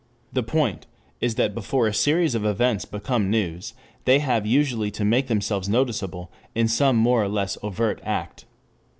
The point is that before a series of events become news they have usually to make themselves noticeable in some more or less overt act.